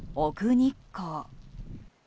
日光。